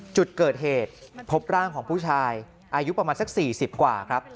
จุดเกิดเหตุพบร่างของผู้ชายอายุประมาณสัก๔๐กว่าครับ